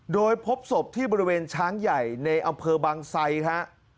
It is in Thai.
โดยพบศพที่บริเวณช้างใหญ่ในอำเภอบางไซฮะ